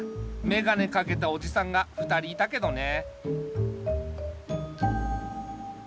めがねかけたおじさんが２人いたけどね。